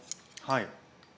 はい。